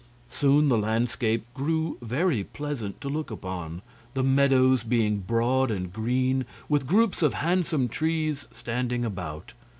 Soon the landscape grew very pleasant to look upon, the meadows being broad and green, with groups of handsome trees standing about.